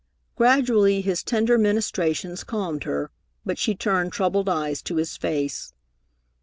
Gradually his tender ministrations calmed her, but she turned troubled eyes to his face.